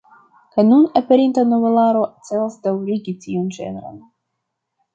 La nun aperinta novelaro celas daŭrigi tiun ĝenron.